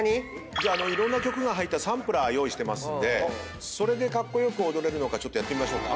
じゃあいろんな曲が入ったサンプラー用意してますんでそれでカッコ良く踊れるのかちょっとやってみましょうか。